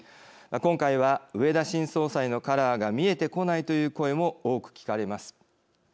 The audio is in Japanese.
今回は、植田新総裁のカラーが見えてこないという声も多く聞かれます。